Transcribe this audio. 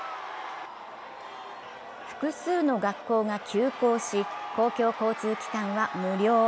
複数の学校が休校し、公共交通機関は無料。